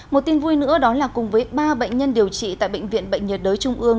một tin vui nữa đó là cùng với ba bệnh nhân điều trị tại bệnh viện bệnh nhiệt đới trung ương